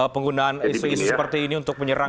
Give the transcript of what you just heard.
penggunaan isu isu seperti ini untuk menyerang